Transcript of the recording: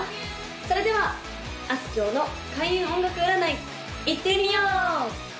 それではあすきょうの開運音楽占いいってみよう！